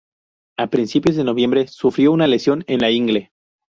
A principios de noviembre sufrió una lesión en la ingle.